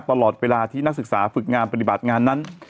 ตลอดเวลาที่นักศึกษาฝึกงานปฏิบัติงานนั้น